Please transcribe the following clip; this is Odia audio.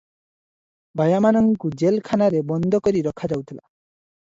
ବାୟାମାନଙ୍କୁ ଜେଲ୍ ଖାନାରେ ବନ୍ଦ କରି ରଖା ଯାଉଥିଲା ।